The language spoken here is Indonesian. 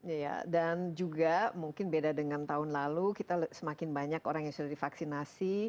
iya dan juga mungkin beda dengan tahun lalu kita semakin banyak orang yang sudah divaksinasi